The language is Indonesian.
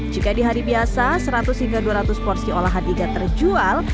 jika di hari biasa seratus hingga dua ratus porsi olahan iga terjual